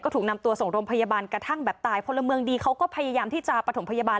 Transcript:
ถูกนำตัวส่งโรงพยาบาลกระทั่งแบบตายพลเมืองดีเขาก็พยายามที่จะประถมพยาบาล